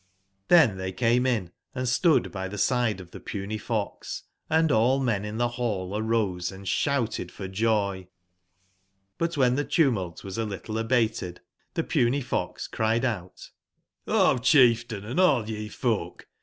ITben tbey came in and stood by tbe side of tbepuny fox, and all men in tbe ball arose &sbou ted for joy. Butwben tbe tumult was a little abated, tbe puny fox cried out: "O cbief tain, & all ye folk!